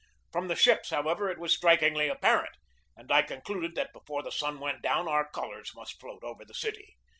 From the ships, however, it was strikingly apparent, and I concluded that before the sun went down our colors must float over the city.